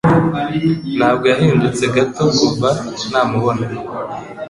Ntabwo yahindutse gato kuva namubona.